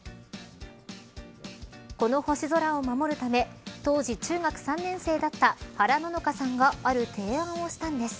この星空を守るため当時、中学３年生だった原野乃花さんがある提案をしたんです。